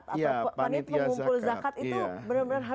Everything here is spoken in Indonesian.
atau panit mengumpul zakat itu benar benar harus berubah